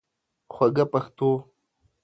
خوږه پښتو